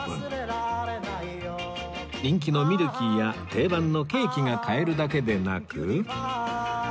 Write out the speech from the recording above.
人気のミルキーや定番のケーキが買えるだけでなく